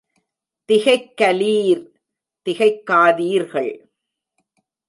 திகைக்கலீர் — திகைக்காதீர்கள்.